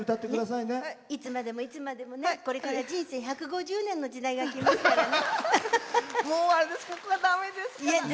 いつまでも、いつまでもこれから人生１５０年の時代がきますからね。